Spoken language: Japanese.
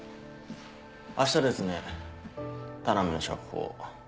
明日ですね田波の釈放。